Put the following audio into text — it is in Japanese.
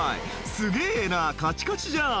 「すげぇなカチカチじゃん」